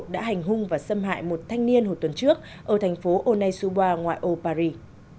cảnh sát đã hành hung và xâm hại một thanh niên hồi tuần trước ở thành phố onesuba ngoài ô paris